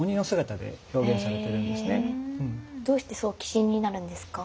どうして鬼神になるんですか？